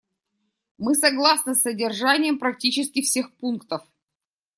Мы согласны с содержанием практически всех пунктов.